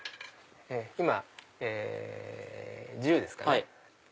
今１０ですかね。